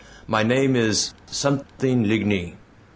My name is something LIGNY.